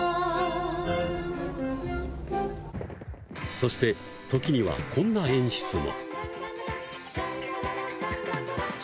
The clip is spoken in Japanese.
そして時にはこんな演出も。